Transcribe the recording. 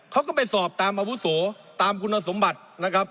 เขาก็ไปสอบตามอาวุโสตามคุณสมบัตินะครับ